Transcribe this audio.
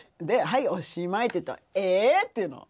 はいおしまい」って言うと「ええ？」って言うの。